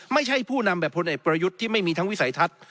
ไม่ใช่ผู้นำแบบพลเอกประยุทธ์ที่ไม่มีทั้งวิสัยทัศน์